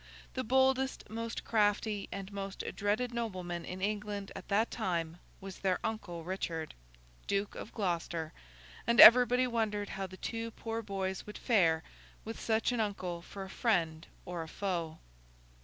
The boldest, most crafty, and most dreaded nobleman in England at that time was their uncle Richard, Duke of Gloucester, and everybody wondered how the two poor boys would fare with such an uncle for a friend or a foe.